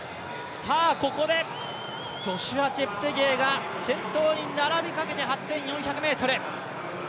ここでジョシュア・チェプテゲイが先頭に並びかけて８４００ｍ。